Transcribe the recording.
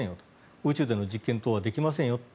宇宙での実験等はできませんよと。